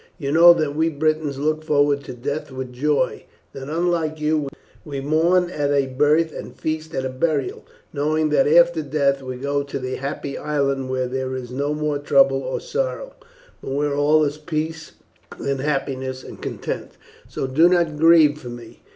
You know that we Britons look forward to death with joy; that, unlike you, we mourn at a birth and feast at a burial, knowing that after death we go to the Happy Island where there is no more trouble or sorrow, but where all is peace and happiness and content; so do not grieve for me.